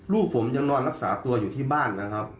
ลูกผมยังนอนรักษาตัวอยู่ที่บ้านนะครับ